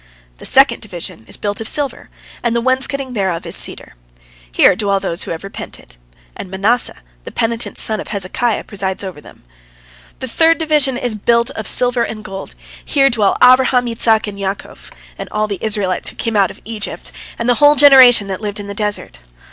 The second division is built of silver, and the wainscoting thereof is of cedar. Here dwell those who have repented, and Manasseh, the penitent son of Hezekiah, presides over them. The third division is built of silver and gold. Here dwell Abraham, Isaac, and Jacob, and all the Israelites who came out of Egypt, and the whole generation that lived in the desert.